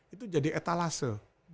itu jadi etalase